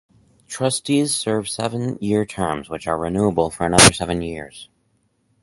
Trustees serve seven-year terms, which are renewable for another seven years.